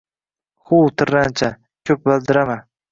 Huv tirrancha, koʻp valdirama!